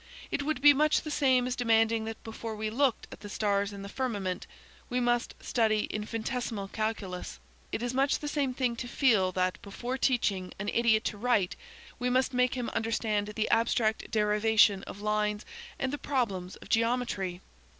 It would be much the same as demanding that before we looked at the stars in the firmament, we must study infinitesimal calculus; it is much the same thing to feel that before teaching an idiot to write, we must make him understand the abstract derivation of lines and the problems of geometry!